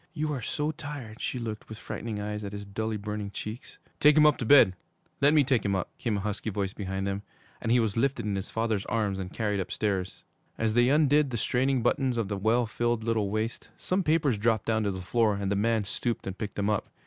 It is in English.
You are so tired!' She looked, with frightened eyes, at his dully burning cheeks. 'Take him up to bed let me take him up,' came a husky voice behind them; and he was lifted in his father's arms and carried upstairs. As they undid the straining buttons of the well filled little waist, some papers dropped down to the floor and the man stooped and picked them up.